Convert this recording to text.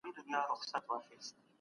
افغان لښکر پر گلپایگان برید وکړ.